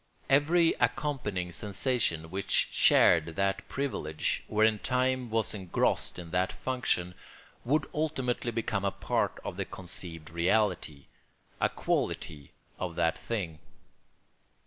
Every accompanying sensation which shared that privilege, or in time was engrossed in that function, would ultimately become a part of that conceived reality, a quality of that thing.